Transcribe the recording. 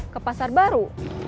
ke pasar baru